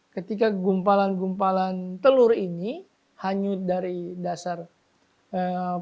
ketika gumpalan gumpalan telur ini hanyut dari dasar sungai